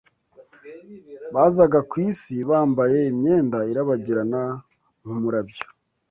Bazaga ku isi bambaye imyenda irabagirana nk’umurabyo